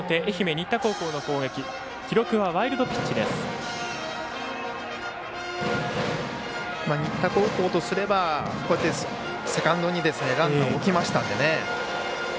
新田高校とすればセカンドにランナーを置きましたんでね。